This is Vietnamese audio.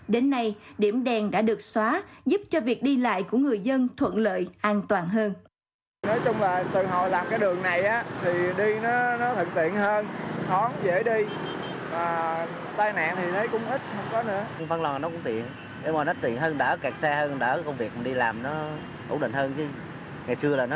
đến nay điểm đèn đã được xóa giúp cho việc đi lại của người dân thuận lợi an toàn hơn